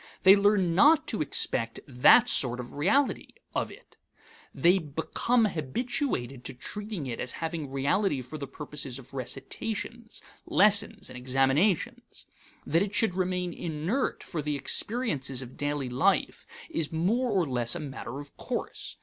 They learn not to expect that sort of reality of it; they become habituated to treating it as having reality for the purposes of recitations, lessons, and examinations. That it should remain inert for the experiences of daily life is more or less a matter of course.